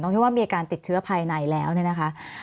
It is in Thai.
ต้องเชื่อว่ามีอาการติดเชื้อภายในแล้วนี่นะคะ